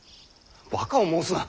バカを申すな。